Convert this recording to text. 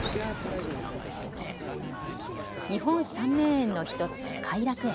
日本三名園の１つ、偕楽園。